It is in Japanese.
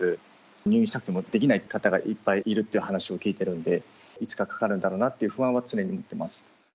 入院したくてもできない方がいっぱいいるっていう話を聞いてるんで、いつかかかるんだろうなっていう不安は常に持ってます。